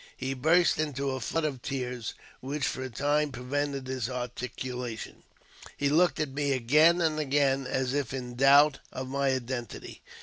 He burst into a flood of tears, which for a time prevented his articulation. He looked at me again and again, as if in doubt of my identity.